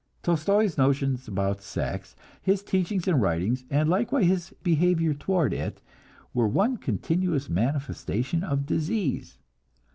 Tolstoi's notions about sex, his teachings and writings and likewise his behavior toward it, were one continuous manifestation of disease.